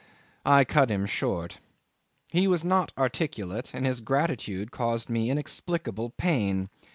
. I cut him short. He was not articulate, and his gratitude caused me inexplicable pain.